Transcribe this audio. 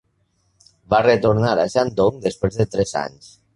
Va retornar a Shandong després de tres anys.